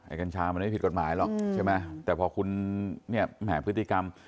กัญชามันไม่ผิดกฎหมายหรอกใช่ไหมแต่พอคุณเนี่ยแหมพฤติกรรม